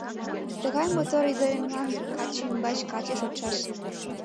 Тыгай мотор ӱдыремлан каче ӱмбач каче шочшаш.